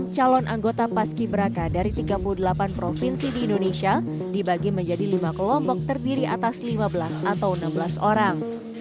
calon anggota paski beraka dari tiga puluh delapan provinsi di indonesia dibagi menjadi lima kelompok terdiri atas lima belas atau enam belas orang